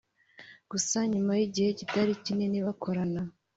Gusa nyuma y’igihe kitari kinini bakorana